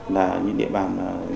là những địa bàn